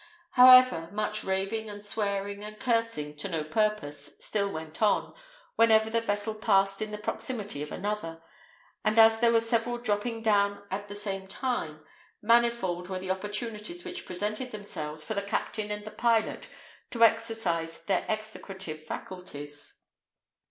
However, much raving, and swearing, and cursing, to no purpose, still went on, whenever the vessel passed in the proximity of another; and, as there were several dropping down at the same time, manifold were the opportunities which presented themselves for the captain and the pilot to exercise their execrative faculties.